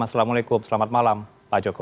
assalamualaikum selamat malam pak joko